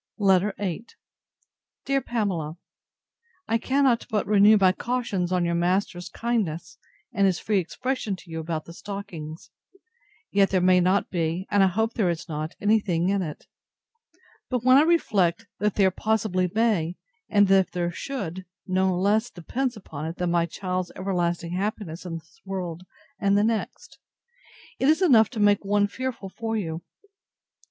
LETTER VIII DEAR PAMELA, I cannot but renew my cautions on your master's kindness, and his free expression to you about the stockings. Yet there may not be, and I hope there is not, any thing in it. But when I reflect, that there possibly may, and that if there should, no less depends upon it than my child's everlasting happiness in this world and the next; it is enough to make one fearful for you.